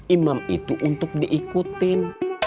imam itu untuk diikutin